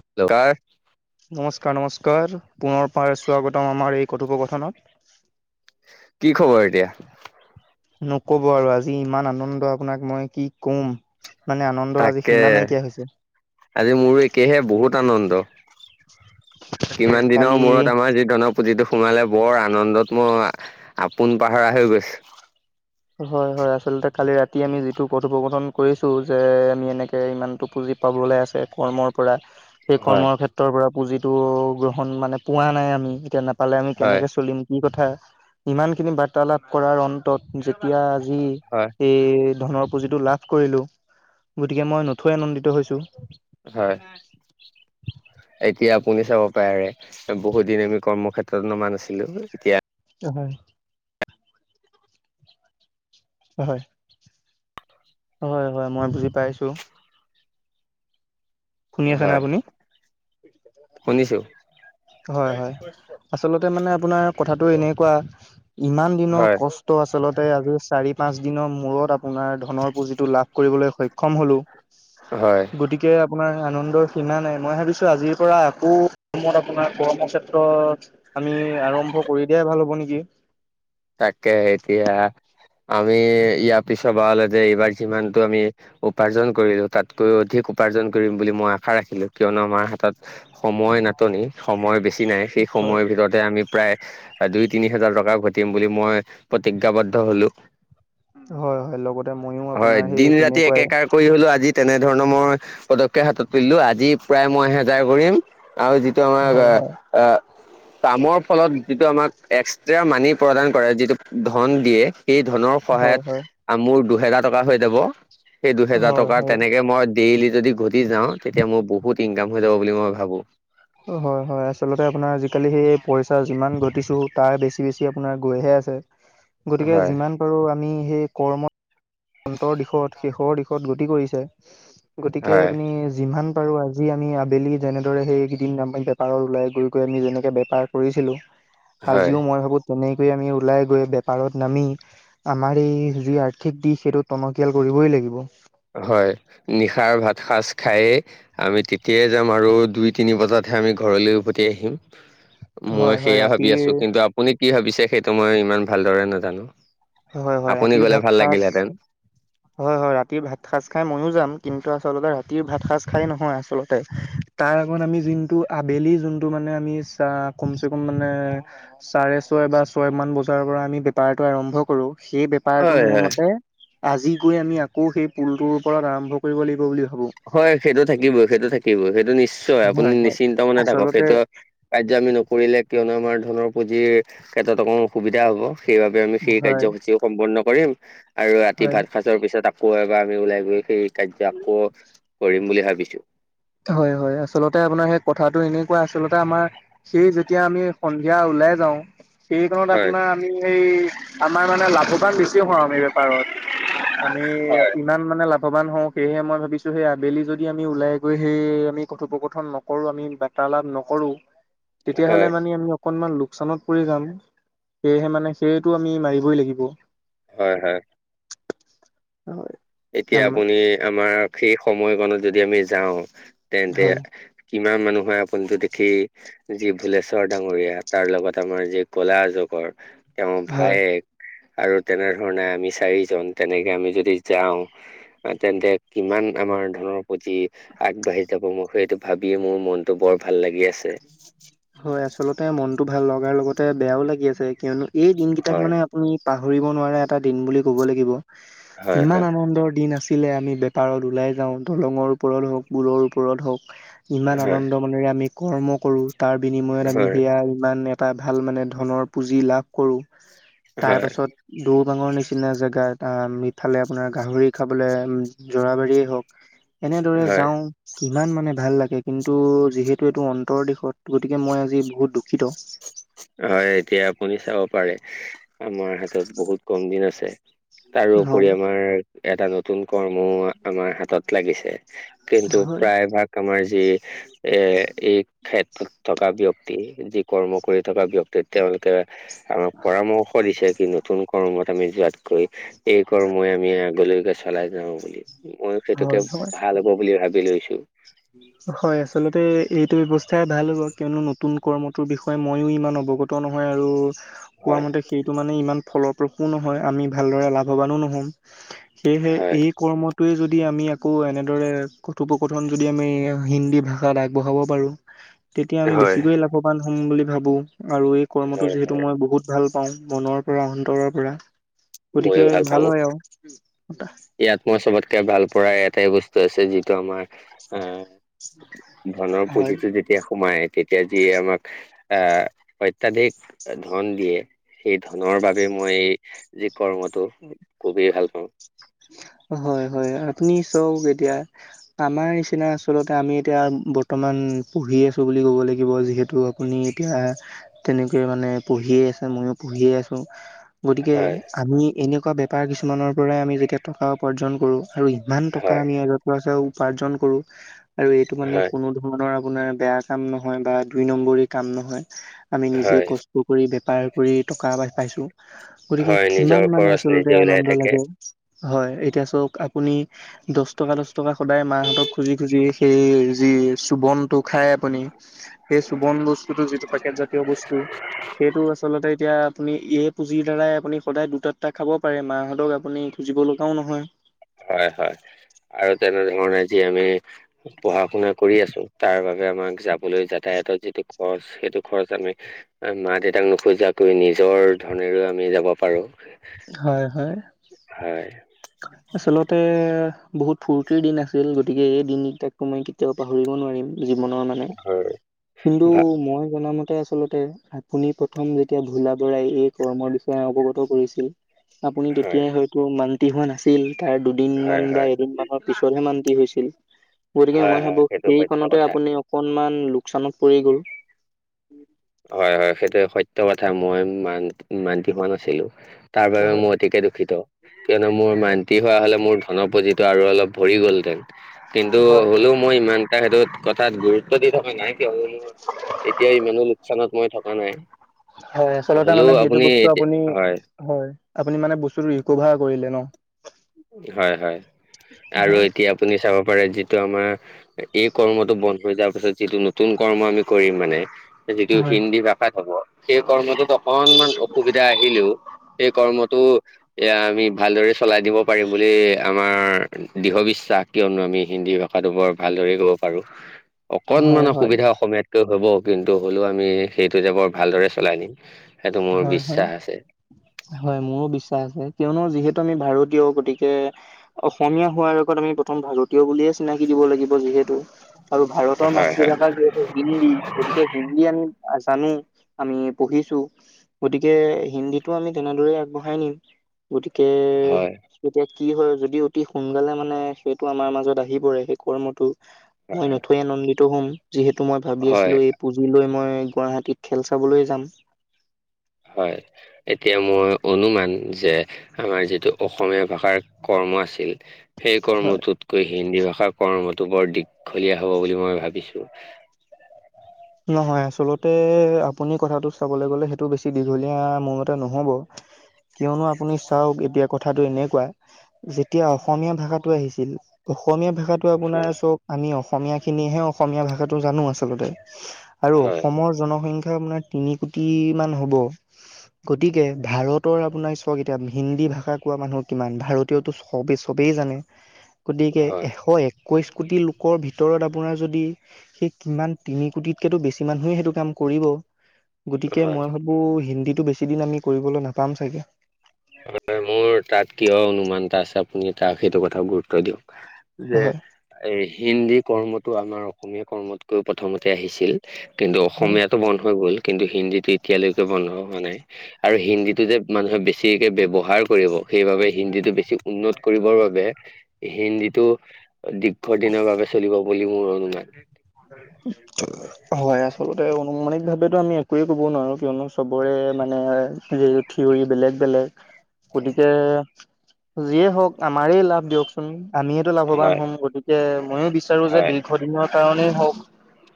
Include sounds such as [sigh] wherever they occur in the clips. হেলকাৰ। [unintelligible] নমস্কাৰ-নমস্কাৰ পুনৰ পাৰে স্বাগতম আমাৰ এই কি কথোপকথনত। খবৰ এতিয়া [unintelligible] নকব আৰু আজি ইমান আনন্দ, আপোনাক মই কি ক'ম। মানে আনন্দৰ আজি, তাকে সিমা নাইকিয়া হৈছে। আজি মোৰ একেহে, বহুত আনন্দ। কিমান দিনৰ কালি মূৰত আমাৰ যি ধনৰপুজিটো সোমালে, বৰ আনন্দত মোৰ আপোন পাহৰা হৈ গৈছো। [inaudible] হয়-হয় আচলতে কালি ৰাতি আমি যিটো পথোপকথন কৰিছো যে আমি এনেকে ইমানতটো পুঁজি পাবলৈ আছে কৰ্মৰ পৰা। সেই হয় কৰ্মৰ ক্ষেত্ৰৰ পৰা পুঁজিটো গ্ৰহণ মানে পোৱা নাই আমি, এতিয়া নাপালে আমি হয় কেনেকে চলিম। কি কথা ইমান খিনি বাৰ্তালাপ কৰাৰ অন্তত যেতিয়া আজি হয়। এই ধনৰ পুঁজিটো লাভ কৰিলো, গতিকে মই নথৈ আনন্দিত হৈছো। হয়। এতিয়া আপুনি চাব পাৰে বহুত দিন আমি কৰ্মক্ষেত্ৰত নমা নাছিলো এতিয়া অ, হয়। হয়-হয়। হয়-হয় মই বুজি পাইছো। শুনি আছেনে হয় আপুনি? শুনিছো। হয়-হয় আচলতে মানে আপোনাৰ কথাটো এনেকুৱা ইমান দিনৰ হয় কষ্ট ত' আচলতে আজি চাৰি, পাঁচ দিনৰ মূৰত আপোনাৰ ধনৰ পুঁজিটো লাভ কৰিবলৈ সক্ষম হ'লোঁ। [inaudible] হয়। গতিকে আপোনাৰ আনন্দৰ সীমা নাই। মই ভাবিছো আজিৰ পৰা আকৌ [unintelligible] আপোনাৰ কৰ্ম ক্ষেত্ৰত আমি আৰম্ভ কৰি দিয়াই ভাল হ'ব নেকি? তাকে এতিয়া আমি ইয়াৰ পিছ বাৰলে যে এইবাৰ যিমানটো আমি উপাৰ্জন কৰিলো, তাতকৈও অধিক উপাৰ্জন কৰিম বুলি মই আশা ৰাখিলো। কিয়নো আমাৰ হাতত সময় নাটনি, সময় বেছি নাই। সেই হয়। সময়ৰ ভিতৰতে আমি প্ৰায় দুই, তিনি হাজাৰ টকা ঘট টিম বুলি মই প্ৰতিজ্ঞাবদ্ধ হ'লো। হয়, হয় লগতে মইও হয় আপোনাৰ দিন সেই ৰাতি তেনেকুৱাই একেকাৰ কৰি হ'লেও আজি তেনেধৰণৰ মই পদক্ষেপ হাতত তুলিলো। আজি প্ৰায় মই এহেজাৰ কৰিম আৰু যি যিটো আমাক হয় হয় হয় আ-আ কামৰ ফলত যিটো আমাক এক্সট্ৰা মানি প্ৰদান কৰে যিটো ধন দিয়ে সেই ধনৰ হয় সহায়ত মোৰ দুহেজাৰ টকা হৈ যাব। সেই দুহেজাৰ হয় টকাৰ হয় তেনেকে মই ডেইলি যদি ঘটি যাওঁ তেতিয়া মোৰ বহুত ইনকাম হৈ যাব বুলি মই ভাবো। অ হয়, হয়। আচলতে আপোনাৰ আজি-কালি সেই পইচা যিমান ঘটিছোঁ তাৰ বেছি বেছি আপোনাৰ গৈহে আছে। গতিকে হয় যিমান পাৰো আমি সেই কৰ্মত অন্তৰ দিশত শেষৰ দিশত গতি কৰিছে গতিকে হয় আপুনি যিমান পাৰো আজি আমি আবেলি যেনেদৰে সেই কেইদিন বেপাৰৰ ওলাই গৈ গৈ আমি যেনেকে বেপাৰ কৰিছিলো। হয় আজিও মই ভাবো তেনেকৈ আমি ওলাই গৈ বেপাৰত নামি আমাৰ এই যি আৰ্থিক দিশ সেইটো টনকিয়াল কৰিবই লাগিব। হয়, নিশাৰ ভাত সাজ খাইয়ে আমি তেতিয়াই যাম আৰু দুই, তিনি বজাতহে আমি ঘৰলে উভতি আহিম। মই হয় হয় সেইয়া ভাবি ৰাতিৰ আছো, কিন্তু আপুনি কি ভাবিছে সেইটো মই ইমান ভালদৰে নাজানো। হয় হয় আপুনি ৰাতিৰ গ'লে ভাত ভাল সাজ লাগিলহেঁতেন। হয়, হয়। ৰাতিৰ ভাত সাঁজ খাই মইও যাম, কিন্তু আচলতে ৰাতিৰ ভাত সাঁজ খাই নহয় আচলতে। তাৰ আগত আমি যোনটো আবেলি যোনটো মানে আমি চা কমচে কম মানে চাৰে ছয় বা ছয়মান বজাৰ পৰা আমি বেপাৰটো আৰম্ভ কৰো, সেই বে পাৰটো হয় মোৰ হয় মতে আজি গৈ আমি আকৌ সেই পুলটোৰ ওপৰত আৰম্ভ কৰিব লাগিব বুলি ভাবো। হয় সেইটো থাকিবই, সেইটো থাকিবই। সেইটো নিশ্চয় আপুনি হয় হয় নিশ্চিন্ত মনেে থাকক। আচলতে সেইটো কাৰ্য আমি নকৰিলে কিয়নো আমাৰ ধনৰ পুঁজিৰ ক্ষেত্ৰত অকণ অসুবিধা হ'ব সেইবাব [unintelligible] আমি সেই হয় কাৰ্যসূচীও সম্পূৰ্ণ কৰিম আৰু ৰাতি হয় ভাত সাঁজ যোৱাৰ পিছত আকৌ এবাৰ আমি ওলাই গৈ সেই কাৰ্য আকৌ কৰিম বুলি ভাবিছো। হয়, হয়। আচলতে আপোনাৰ সেই কথাটো এনেকুৱা আচলতে আমাৰ সেই যেতিয়া আমি সন্ধিয়া ওলাই যাওঁ সেইখন হয় আপোনাৰ আমি এই আমাৰ মানে লাভো ইমান বেছি হওঁ আমি বেপাৰত। আমি হয় ইমান মানে লাভৱান হওঁ। সেয়েহে মই ভাবিছো সেই আবেলি যদি আমি ওলাই গৈ সেই আমি কথোপকথন নকৰো, আমি বাৰ্তালাাপ নকৰো তেতিয়া হ'লে মানে আমি অকনমান লোকচানত পৰি যাম, সেয়েহে মানে সেইটো আমি মাৰিবই লাগিব। হয়-হয়। হয়। এতিয়া আপুনি আমাৰ সেই সময়কণত যদি আমি যাওঁ, তেন্তে হয় কিমান মানুহ হয় আপুনিটো দেখেই। যি ভুলেশ্বৰ ডাঙৰীয়া, তাৰ লগত আমাৰ যি ক'লাজগৰ। তেওঁৰ হয় ভায়েক আৰু তেনেধৰণে আমি চাৰিজন তেনেকে আমি যদি যাওঁ। তেন্তে কিমান আমাৰ ধনৰ প্ৰতি আগবাঢ়ি যাব, মোৰ সেইটো ভাবিয়ে মোৰ মনটো বৰ ভাল লাগি আছে। হয় আচলতে মনটো ভাল লগাৰ লগতে বেয়াও লাগি আছে কিয়নো এই দিন কিটাক হয় মানে আপুনি পাহৰিব নোৱাৰা এটা দিন বুলি ক'ব লাগিব হয় ইমান হয় আনন্দৰ দিন আছিলে আমি বে বেপাৰত ওলাই যাওঁ দলঙৰ ওপৰত হওক পুলৰ ওপৰত হওক ইমান হয় আনন্দ মনেৰে আমি কৰ্ম কৰো তাৰ বিনিময়ত আমি হয় সেয়া ইমানে এটা ভাল মানে ধনৰ পুঁজি লাভ কৰোঁ তাৰ হয় পাছত দৌবাঙৰ নিচিনা জেগা এটা মিঠালে আপোনাৰ গাহৰি খাবলে জৰাবাৰী কৰা হওঁক এনেদৰে হয় যাওঁ কিমান মানে ভাল লাগে কিন্তু যিহেতু এইটো অন্তৰ দিশত গতিকে মই আজি বহুত দুখিত। হয় এতিয়া আপুনি চাব পাৰে আমাৰ হাতত বহুত কম দিন আছে। হয়, তাৰোপৰি হয়, আমাৰ এটা নতুন কৰ্মও আমাৰ হাতত লাগিছে। কিন্তু হয়, প্ৰায় ভাগ আমাৰ যি এ এই ক্ষেত্ৰত থকা ব্যক্তি যি কৰ্ম কৰি থকা ব্যক তে তেওঁলোকে আমাক পৰামৰ্শ দিছে কি নতুন কৰ্মত আমি যোৱাত কৰি এই কৰ্মেইম আমি আগলৈকে চলাই যাওঁ বুলি মইও সেইটোতে হয়, ভাল হ'ব বুলি ভাবি লৈছোঁ। হয় আচলতে এইটো ব্যৱস্থাই ভাল হ'ব কিয়নো নতুন কৰ্মটোৰ বিষয় হয় ময়ো ইমান অৱগত নহয় আৰু কোৱা হয় মতে সেইটো মানে ইমান ফল-প্ৰসূ নহয় আমি ভালদৰে লাভৱানো ন'হম সেয়েহে হয়। এই কৰ্মটোৱে যদি আমি আকৌ এনেদৰে কথোপকথন যদি হিন্দী ভাষাত আগবঢ়াব পাৰোঁ তেতিয়া আমি হয়। বেছিকৈয়ে লাভৱান হ'ম বুলি ভাবো। আৰু এই কৰ্মটো হয় যিহেতু মই বহুত ভাল পাওঁ মনৰ পৰা অন্তৰৰ পৰা গতিকে ময়ো ভাল পাওঁ হয় আও ইয়াত মই চবতকে ভাল পৰা এটাই বস্তু আছে যিটো আমাৰ আহ ধনৰ হয়। পুঁজিটো যেতিয়া সোমায় তেতিয়া যি আমাক আহ অত্যাধিক ধন দিয়ে সেই ধনৰ বাবে মই যি কৰ্মটো খুবেই ভাল পাওঁ। হয়-হয় আপুনি চওক এতিয়া আমাৰ নিচিনা আচলতে আমি এতিয়া বৰ্তমান পঢ়িআছোঁ বুলি ক'ব লাগিব যিহেতু শুনি এতিয়া তেনেকৈ মানে পঢ়িয়ে আছে, ময়ো পঢ়িয়ে আছো গতিকে হয় আমি এনেকুৱা বে পা কিছুমানৰ পৰাই আমি যেতিয়া টকা উপাৰ্জন কৰোঁ আৰু ইমান টকা হয় আমি [unintelligible] পইছা উপাৰ্জন কৰো আৰু এইটো মানে হয় কোনো ধ মনৰ আপোনাৰ বেয়া কাম নহয় বা দুই নম্বৰি কাম নহয় আমি নিজে হয় ক ইটো কৰি বেপাৰ কৰি টকা এবাৰ আপুনি পাইছোঁ। গতিকে হয় কিমান নিজৰ মানে খৰচ আচলতে নিজে ওলাই আনন্দ থাকে লাগে হয় এতিয়া ছাওক আপুনি দচ টকা -দচ টকা সদায় মাহঁতক খুজি -খুজি সেই যি চুবম টো খাই আপুনি সেই চুমবস্তুটো যিটো পেকেটত প্ৰিয় বস্তু সেইটো আচলতে এতিয়া আ আপুনি ইয়ে পুঁজিৰ দ্বাৰাই আপুনি সদায় দুটা-দুটা খাব পাৰে মাহঁতক আপুনি খুজিব লগাও নহয়। হয় -হয় আৰু তেনেধৰণে যি আমি পঢ়া- শুনা কৰি আছোঁ তাৰ বাবে আমাক যাবলৈ যাতায়াতৰ যিটো খৰচ সেইটো খৰচ আমি মা -দেউতাক নোখোজুৱাকৈ নিজৰ ধনেৰেও আমি যাব পাৰো। হয়-হয়। হয়। আচলতে বহুত ফূৰ্তিৰ দিন আছিল গতিকে এই দিনকেইটাকটো মই কেতিয়াও পাহৰিব নোৱাৰিম জীৱনৰ মানে। হয় কিন্তু ভা- মই জনামতে আচলতে তে আপুনি প্ৰথম যেতিয়া ভোলা বৰাই এই কৰ্মৰ বিষয়ে অৱগত কৰিছিল আপুনি হয় তেতিয়াই হয়তো মান্তি হোৱা নাছ ছিল তাৰ দুদিন হয় মান বা হয় এদিন মানৰ পিছতহে মান্তি হৈছিল। হয় গতিকে হয় মই হয় ভাবো সেইটো সত্য সেইখনতে কথা আপুনি অকনমান লোকচানত পৰি গ'ল। হয়-হয় সেইটোৱে সত্য কথা মই মান মান্তি হোৱা নাছিলো। তাৰ বাবে হয় মই অতিকে দুখিত। কিয়নো মোৰ মান্তি হোৱা হ'লে মোৰ ধনৰ পুঁজিটো আৰু অলপ ভৰি গ'লহেঁতেন। কিন্তু হয় হ'লেও মই ইমানটা সেইটোত কথাত গুৰুত্ব দি থকা নাই। এতিয়া ইমানো ল স্থানত মই থকা নাই হয় আচলতে মানে হলেও সেইটো আপুনি বস্তু এতিয়া হয়। হয় আপুনি মানে বস্তু ৰিকভাৰ কৰিলে ন। হয়-হয় আৰু এতিয়া আপুনি চাব পাৰে যিটো আমাৰ এই কৰ্মটো বন্ধ হৈ যোৱাৰ পিছত, যিটো নতুন কৰ্ম আমি কৰিম মানে। যিটো হয় হিন্দী ভাষাত হব সেই কৰ্মটোত অকনমান অসুবিধা তি আহিলেও সেই কৰ্মটো এ আমি ভালদৰে চলাই দিব পাৰিম বুলি আমাৰ দৃঢ় বিশ্বাস কিয়নো আমি হিন্দী ভাষাটো বৰ ভালদৰে ক'ব পাৰো। [inaudible] হয় অকনমান হয় হয় অসুবিধা অসমীয়াতকৈ হব কিন্তু হ'লেও আমি সেইটো যে বৰ ভালদৰে চলাই নিম। সেইটো মোৰ হয়-হয়। বিশ্বাস আছে হয় মোৰো বিশ্বাস আছে কিয়নো যিহেতু আমি ভাৰতীয় গতিকে অসমীয়া হোৱাৰ আগত আমি প্ৰথম ভাৰতীয় বুলিয়ে চিনাকি দিব লাগিব যিহেতু। আৰু ভাৰতৰ হয় হয় মাতৃভাষা যিহেতু হিন্দী গতিকে হিন্দী আমি জানো আমি পঢ়িছো। গতিকে হিন্দী আমি তেনেদৰেই আগবঢ়াই নিম গতিকে হয় তেতিয়া কি হয় যদি অতি সোনকালে মানে সেইটো আমাৰ মাজত আহি পৰে সেই কৰ্মটো মই নথৈ আনন্দিত হম যিহেতু মই ভাবি হয় আছিলো এই পুজি লৈ মই গুৱাহাটীত খেল চাবলৈ যাম। হয়, এতিয়া মই ইয়াত মাৰা আমাৰ যিটো অসমীয়া ভাষাৰ কৰ্ম আছিল। সেই হয়, কৰ্মটোতকৈ হিন্দী ভাষাৰ কৰ্মটো বৰ দীঘলীয়া হব বুলি মই ভাবিছো। নহয় আচলতে আপুনি কথাটো চাবলৈ গ'লে সেইটো বেছি দীঘলীয়া মোৰ মতে নহ'ব। কিয়নো আপুনি চাওক এতিয়া কথাটো এনেকুৱা যেতিয়া অসমীয়া ভাষা আহিছিল অসমীয়া ভাষাটো আপোনাৰ হয় চব আমি অসমীয়া খিনিহে অসমীয়া ভাষাটো জানো আচলতে। আৰু হয় অসমৰ জনসংখ্যা আপোনাৰ তিনি কোটি মান হ'ব গতিকে ভাৰত আপোনাৰ চাওক এতিয়া হিন্দী ভাষা কোৱা মানুহ কিমান ভাৰতীয়তো চবেই-চবেই জানে গতিকে হয় এশ এক কৈছ কোটি লোকৰ ভিতৰত আপোনাৰ যদি সেই কিমান তিনি কোটিতকেতো বেছি মানুহে সেইটো কাম কৰিব গতিকে হয় মই আকৌ হিন্দীটো বেছি দিন আমি কৰিবলৈ নাপাম চাগে। হয় মোৰ তাত কিয় অনুমানটা আছে আপুনি তাক সেইটো কথা গুৰুত্ব দিয়ক। যে হয় এই হিন্দী কৰ্মটো আমাৰ অসমীয়া কৰ্মতকৈও প্ৰথমতে আহিছিল। কিন্তু হয় অসমীয়াটো বন্ধ হৈ গ'ল কিন্তু হিন্দীটো এতিয়ালৈকে বন্ধ হোৱা নাই। আৰু হিন্দীটো যে মানুহে বেছিকে ব্যৱহাৰ কৰিব সেইবাবে হিন্দীটো বেছি উন্নত কৰিবৰ বাবে। হিন্দীটো দীৰ্ঘ দিনৰ বাবে চলিব বুলি মোৰ অনুমান। [unintelligible] হয় আচলতে অনুমানিক ভাৱো আমি একোৱে কব নোৱাৰো কিয়নো চবৰে মানে থিয়ৰী বেলেগ-বেলেগ। গতিকে যিয়ে হওক আমাৰেই লাভ দিয়কচোন। আমিয়েতো লাভৱান হয় হ'ম গতিকে ময়ে বিচাৰো যে হয় দীৰ্ঘ দিনৰ কাৰণেই হওক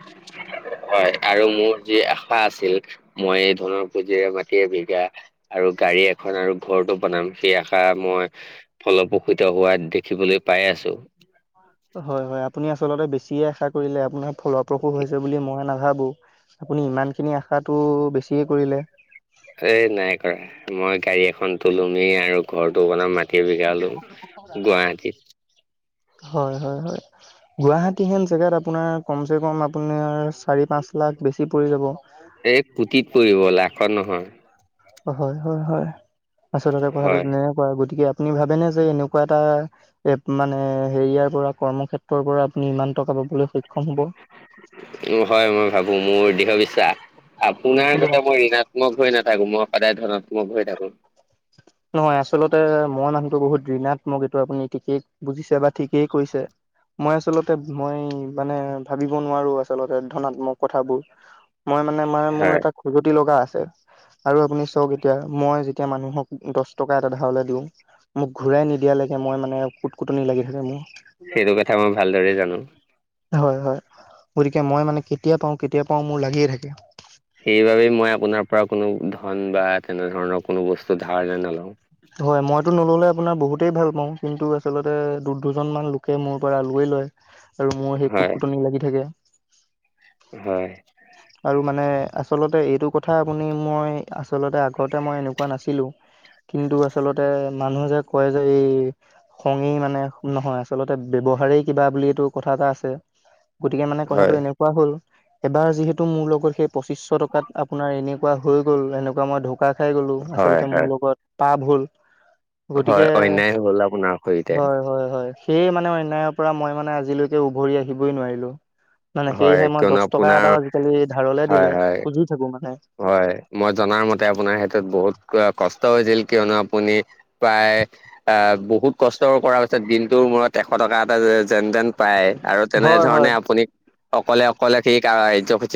[inaudible] হয় আৰু মোৰ যি আশা আছিল মই এই ধনৰ পুঁজিৰে মাটি এবিঘা আৰু গাড়ী এখন আৰু ঘৰটো বনাম সেই আশা মই ফলপ্ৰসিত হোৱা দেখিবলৈ পাই আছোঁ। হয়-হয় আপুনি আচলতে বেছিয়ে আশা কৰিলে আপোনাৰ ফলপ্ৰসূ হৈছে বুলি মই নাভাবোঁ আপুনি ইমান খিনি আশাটো বেছিয়ে কৰিলে এ নাই কৰা মই গাড়ী এখনটো লমেই আৰু ঘৰটো বনম মাট টি এবিঘা লম গুৱাহাটীত। হয়- হয়- হয় গুৱাহাটী হেন জেগাত আপোনাক কমচে কম আপোনাৰ চাৰি, পাঁচ লাখ বেছি পৰি যাব। এই কোঁটিত পৰিব লাখত নহয়। অহ, হয়-হয়-হয় আচলতে কথাটো হয় তেনেকে [unintelligible] গতিকে আপুনি ভাবেনে যে এনেকুৱা এটা এ মানে হেৰিয়াৰ পৰা কৰ্মক্ষেত্ৰৰ পৰা আপুনি ইমান টকা পাবলৈ সক্ষম হ'ব? হয় মই ভাবো মোৰ দৃঢ় বিশ্বাস আপোনাৰ কিন্তু গতে মই ৰিণাত মক ধৰি নাথাকো মই সদায় ধৰক মক হৈ থাকো নহয় আচলতে মই মানুহটো বহুত ঋণাত্মক এইটো আপুনি ঠিকেই বুজিছে বা ঠিকেই কৈছে মই আচলতে মই মানে ভাবিব নোৱাৰো আচলতে ধনাত্মক কথাবোৰ। মই মানে মাৰ মোৰ হয় এটা খজুৱতি লগা আছে আৰু আপুনি চাওক এতিয়া মই যেতিয়া মানুহক দচটকা এটা ধাৰলে দিওঁ মোক ঘূৰাই নিদিয়া লৈকে মই মানে কুটকুটনি লাগি থাকে মোৰ। সেইটো কথা মই ভালদৰে জানো। হয়- হয় গতিকে মই মানে কেতিয়া পাওঁ- কেতিয়া পাওঁ মোৰ লাগিয়ে থাকে। সেইবাবেই মই আপোনাৰ পৰা কোনো ধন বা তেনেধৰণৰ কোনো বস্তু ধাৰলে নলওঁ। হয় মইতো নল'লে আপোনাৰ বহুতেই ভাল পাওঁ কিন্তু আচলতে দু- দুজনমান লোকে মোৰ পৰা লৱেই লয়। আৰু মোৰ সেই কুট হয় -কুটনি লাগি থাকে হয়। [inaudible] আৰু মানে আচলতে এইটো কথা আপুনি মই আচলতে আগতে মই এনেকুৱা নাছিলোঁ কিন্তু আচলতে মানুহে যে কয় যে এই খঙেই মানে নহয় আচলতে ব্যৱহাৰেই কিবা বুলি এইটো কথা এটা আছে গতিকে মানে কথাটো হয় এনেকুৱা হ'ল এবাৰ যিহেতু মোৰ লগত সেই পঁচিচশ টকাত আপোনাৰ এনেকুৱা হৈ গ'ল এনেকুৱা মই ধক ধকা খাই গলো হয় আচলতে মোৰ হয় লগত টাব হ'ল হয় গতিকে অন্যায় হ'ল আপোনাৰ সৈতে হয়- হয়- হয়। সেয়ে মানে অন্যায়ৰ পৰা মই মানে আজিলৈকে উভৰি আহিবই নোৱাৰিলোঁ। মানে হয় সেয়েহে মই কিয়নো দচ টকা আপোনাৰ এটা আজিকালি ধাৰলে হয় দিলে হয় খুজি থাকো মানে। হয়, মই জনাৰ মতে আপোনাৰ সেইটোত বহুত কষ্ট হৈছিল কিয়নো আপুনি প্ৰায় আহ বহুত কষ্ট কৰাৰ পিছত দিনটোৰ মূৰত এশ টকা এটা যে যেন দেন পায় আৰু হয় তেনেধৰণে হয় আপুনি অকলে- অকলে সেই কাৰ্যসূচীত